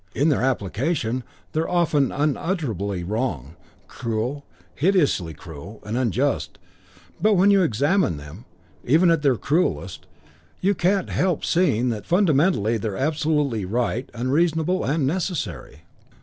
In their application they're often unutterably wrong, cruel, hideously cruel and unjust, but when you examine them, even at their cruellest, you can't help seeing that fundamentally they're absolutely right and reasonable and necessary.